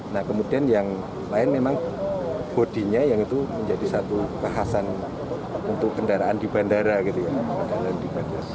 nah kemudian yang lain memang bodinya yang itu menjadi satu kekhasan untuk kendaraan di bandara gitu ya